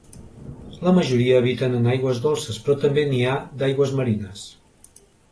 La majoria habiten en aigües dolces però també n'hi ha d’aigües marines.